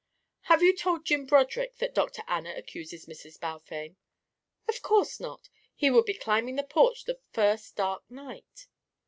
"Have you told Jim Broderick that Dr. Anna accuses Mrs. Balfame?" "Of course not. He would be climbing the porch the first dark night."